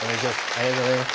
ありがとうございます。